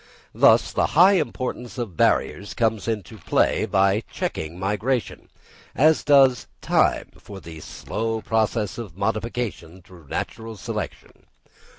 Thus the high importance of barriers comes into play by checking migration; as does time for the slow process of modification through natural selection.